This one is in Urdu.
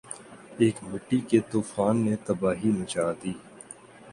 ایک مٹی کے طوفان نے تباہی مچا دی